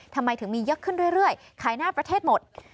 ทำไมถึงมีเยอะขึ้นเรื่อยขายหน้าประเทศหมด